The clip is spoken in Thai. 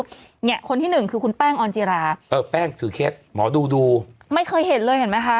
เนี่ยคนที่หนึ่งคือคุณแป้งออนจิราเออแป้งถือเคล็ดหมอดูดูไม่เคยเห็นเลยเห็นไหมคะ